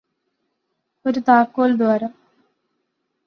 ഒരു താക്കോല്ദ്വാരം